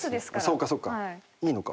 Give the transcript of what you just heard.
そっかそっかいいのか。